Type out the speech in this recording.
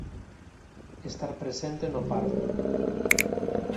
Estar presente no parto.